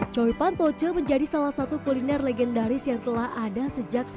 choy pan toche menjadi salah satu kuliner legendaris yang telah ada sejak seribu sembilan ratus tujuh puluh sembilan